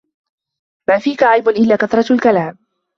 مَا فِيك عَيْبٌ إلَّا كَثْرَةُ الْكَلَامِ